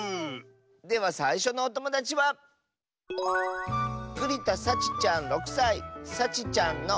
ではさいしょのおともだちはさちちゃんの。